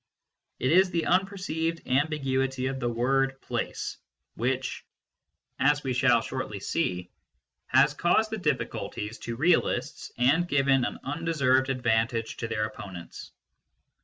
It is the unperceived ambiguity of the word " place " which, as we shall shortly see, has caused the difficulties to realists and given an un deserved advantage to their opponents.